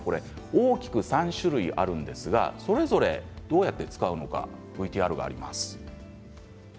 大きく３種類あるんですがどんなふうに使うのかＶＴＲがあります。